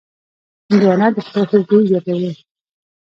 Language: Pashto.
هندوانه د خولې خوشبويي زیاتوي.